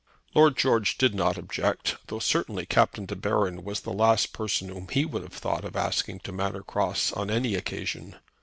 Lord George did not object, though certainly Captain De Baron was the last person whom he would have thought of asking to Manor Cross on any occasion.